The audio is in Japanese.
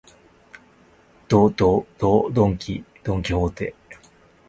ど、ど、ど、ドンキ、ドンキホーテ